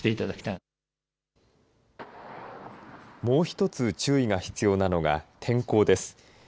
もう一つ注意が必要なのが天候です。